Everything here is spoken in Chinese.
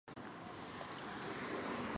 阿奇森府。